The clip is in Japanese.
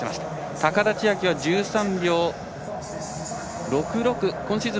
高田千明は１３秒６６今シーズン